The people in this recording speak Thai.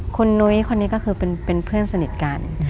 คุณนุ้ยคนนี้ก็คือเป็นเพื่อนสนิทกัน